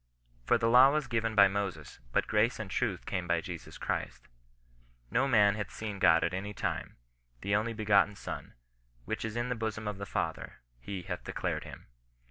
" For the law was given by Moses, but grace and truth came by Jesus Christ. No man hath seen God £rt any time ; the only begotten Son, which is in the bosom of the Father, he hath declared him."